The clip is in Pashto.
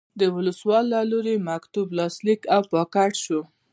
د ولسوال له لوري مکتوب لاسلیک او پاکټ شو.